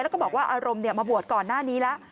แล้วก็บอกว่าอารมณ์มาบวชก่อนหน้านี้แล้ว